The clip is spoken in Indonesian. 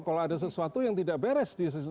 kalau ada sesuatu yang tidak beres